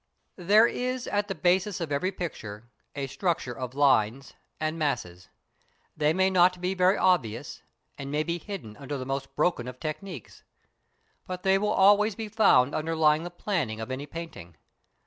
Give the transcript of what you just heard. There is at the basis of every picture a structure of lines and masses. They may not be very obvious, and may be hidden under the most broken of techniques, but they will always be found underlying the planning of any painting.